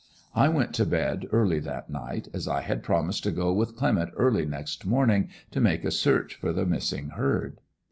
I went to bed early that night, as I had promised to go with Clement early next morning to make a search for the missing herd.